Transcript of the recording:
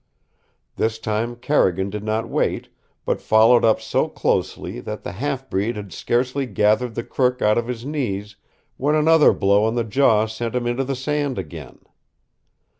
This time Carrigan did not wait, but followed up so closely that the half breed had scarcely gathered the crook out of his knees when another blow on the jaw sent him into the sand again.